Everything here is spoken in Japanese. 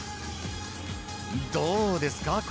どうですか？